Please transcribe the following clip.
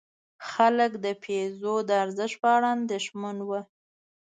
خلک د پیزو د ارزښت په اړه اندېښمن وو.